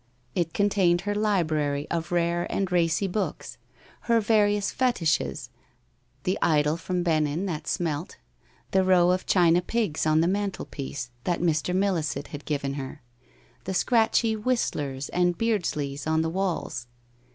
It contained her library of rare and racy books, her various fetiches; the idol from Benin that smelt, the row of china pigs on the mantelpiece that Mr. Milliset had given her, the scratchy Whistlers and Beards leys on the walls.